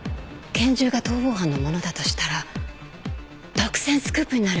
拳銃が逃亡犯のものだとしたら独占スクープになる。